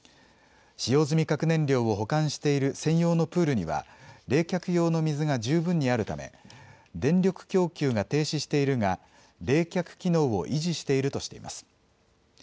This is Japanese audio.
使用済み核燃料を保管している専用のプールには冷却用の水が十分にあるため電力供給が停止しているが冷却機能を維持しているとしています。